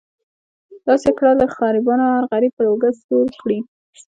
داسې کړه له غریبانو هر غریب پر اوږه سور کړي.